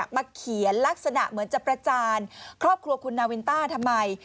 เขียนลักษณะเหมือนจะประจานครอบครัวคุณนาวินต้าทำไม